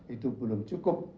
itu belum cukup